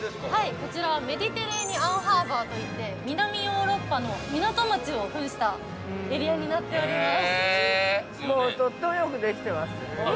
◆こちらは、「メディテレーニアンハーバー」といって、南ヨーロッパの港町を扮したエリアになっております。